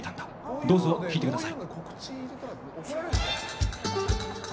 どうぞ聴いてください。